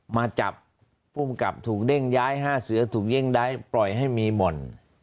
มาจับภูมิกับถูกเด้งย้าย๕เสือถูกเย่งได้ปล่อยให้มีหม่อน